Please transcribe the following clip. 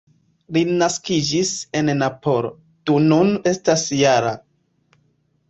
Li naskiĝis en Napolo, do nun estas -jara.